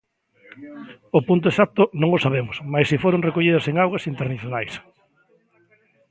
O punto exacto non o sabemos, mais si foron recollidas en augas internacionais.